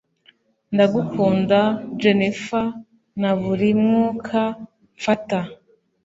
ndagukunda jennifer na buri mwuka mfata.